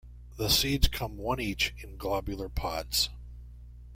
The seeds come one each in globular pods.